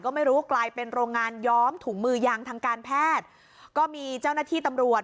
ก็ไม่รู้ว่ากลายเป็นโรงงานย้อมถุงมือยางทางการแพทย์ก็มีเจ้าหน้าที่ตำรวจ